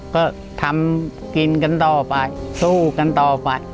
ก็ทำกินกันต่อไปสู้กันต่อไป